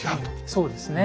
そうですね。